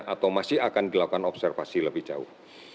atau masih akan dilakukan observasi lebih jauh